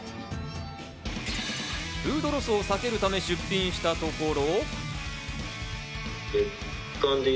フードロスを避けるため出品したところ。